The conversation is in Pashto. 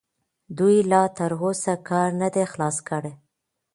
دوی لا تراوسه کار نه دی خلاص کړی.